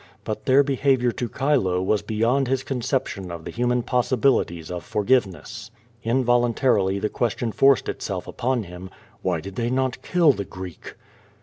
But their behavior to Chilo was beyond his conception of the human possibilities of forgiveness. Involuntarily the question forced itself upon him, ^'Why did they not kill the Greek?"